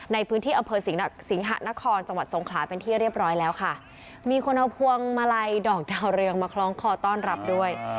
ในพื้นที่อำเภอสิงสิงหะนครจังหวัดสงขลาเป็นที่เรียบร้อยแล้วค่ะมีคนเอาพวงมาลัยดอกดาวเรืองมาคล้องคอต้อนรับด้วย